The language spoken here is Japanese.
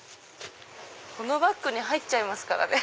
このバッグに入っちゃいますからね。